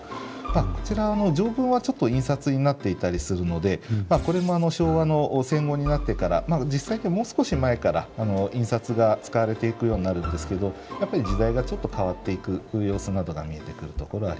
こちらの条文はちょっと印刷になっていたりするのでこれも昭和の戦後になってから実際にもう少し前から印刷が使われていくようになるんですけどやっぱり時代がちょっと変わっていく様子などが見えてくるところがあります。